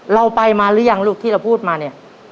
เราไปมาหรือยังลูกที่เราพูดมาเนี่ย